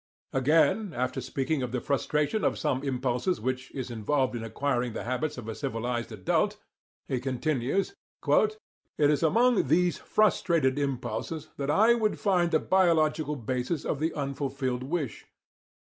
Again, after speaking of the frustration of some impulses which is involved in acquiring the habits of a civilized adult, he continues: "It is among these frustrated impulses that I would find the biological basis of the unfulfilled wish.